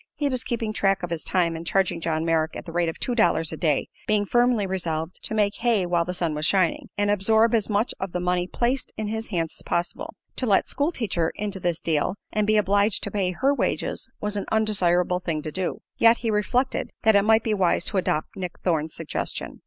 He was keeping track of his time and charging John Merrick at the rate of two dollars a day, being firmly resolved to "make hay while the sun was shining" and absorb as much of the money placed in his hands as possible. To let "school teacher" into this deal and be obliged to pay her wages was an undesirable thing to do; yet he reflected that it might be wise to adopt Nick Thorne's suggestion.